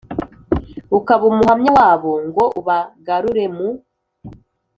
ukaba umuhamya wabo ngo ubagarure mu